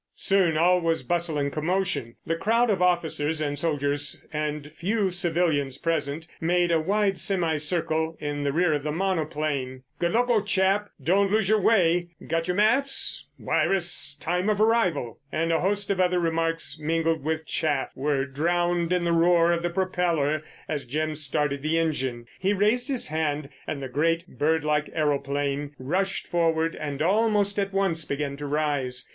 Soon all was bustle and commotion. The crowd of officers and soldiers and few civilians present made a wide semi circle in the rear of the monoplane. "Good luck, old chap!" "Don't lose your way!" "Got your maps?" "Wire us time of arrival!"—and a host of other remarks, mingled with chaff, were drowned in the roar of the propeller as Jim started the engine. He raised his hand and the great, bird like aeroplane rushed forward and almost at once began to rise.